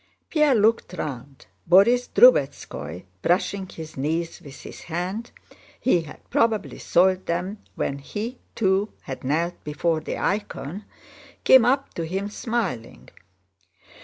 Pierre looked round. Borís Drubetskóy, brushing his knees with his hand (he had probably soiled them when he, too, had knelt before the icon), came up to him smiling.